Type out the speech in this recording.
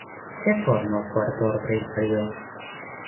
Què forma el quart ordre inferior?